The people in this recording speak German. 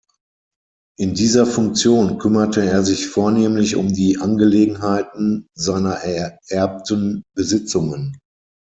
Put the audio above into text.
In dieser Funktion kümmerte er sich vornehmlich um die Angelegenheiten seiner ererbten Besitzungen.